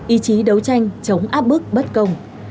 ý chí đấu tranh chống áp bức bất công